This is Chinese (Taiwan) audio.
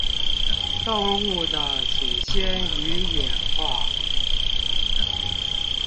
動物的祖先與演化